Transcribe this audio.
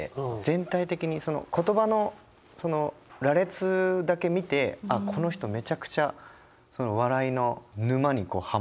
全体的にその言葉の羅列だけ見てあっこの人めちゃくちゃ村山さん